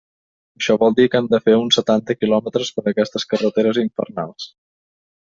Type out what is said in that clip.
Això vol dir que hem de fer uns setanta quilòmetres per aquestes carreteres infernals.